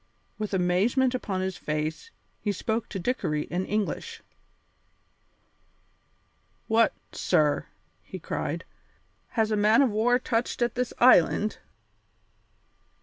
With amazement upon his face, he spoke to Dickory in English. "What, sir," he cried, "has a man of war touched at this island?"